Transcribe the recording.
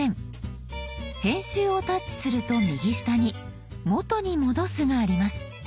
編集をタッチすると右下に「元に戻す」があります。